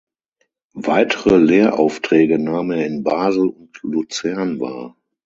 Weitere Lehraufträge nahm er in Basel und Luzern wahr.